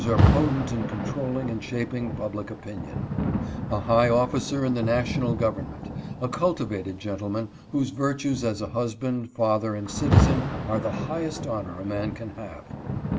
are potent in controlling and shaping public opinion ; a high officer in the National Government ; a cultivated gentleman whose virtues as a husband, father, and citizen are the highest honor a man can have.